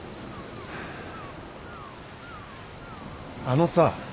あのさ。